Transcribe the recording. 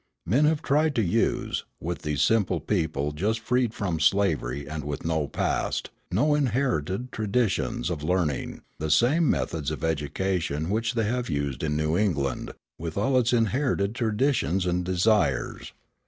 Men have tried to use, with these simple people just freed from slavery and with no past, no inherited traditions of learning, the same methods of education which they have used in New England, with all its inherited traditions and desires.